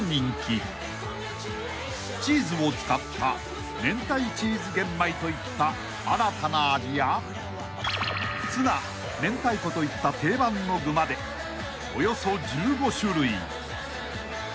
［チーズを使った明太チーズ玄米といった新たな味やツナ明太子といった定番の具までおよそ１５種類］